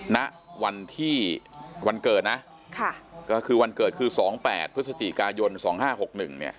ณวันที่วันเกิดนะค่ะก็คือวันเกิดคือ๒๘พฤศจิกายน๒๕๖๑เนี่ย